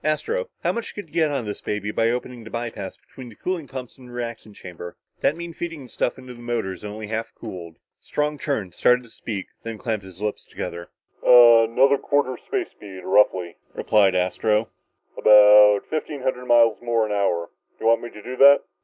"Astro, how much could you get out of this baby by opening the by pass between the cooling pumps and the reactant chamber? That'd mean feeding the stuff into the motors only half cooled." Strong turned, started to speak, then clamped his lips together. "Another quarter space speed, roughly," replied Astro, "about fifteen hundred miles more an hour. Do you want me to do that?"